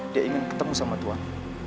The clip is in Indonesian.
dia ingin ketemu sama tuhan